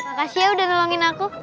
makasih ya udah nolongin aku